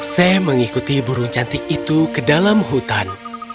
sam mengikuti burung cantik itu ke dalam hutan